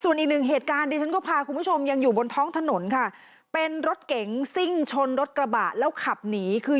ส่วนอีกหนึ่งเหตุการณ์ดิฉันก็พาคุณผู้ชมยังอยู่บนท้องถนนค่ะเป็นรถเก๋งซิ่งชนรถกระบะแล้วขับหนีคือ